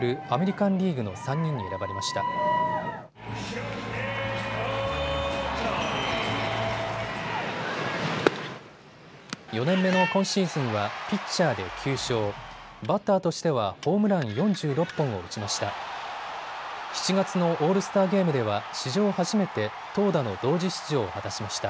バッターとしてはホームラン４６本を打ちました。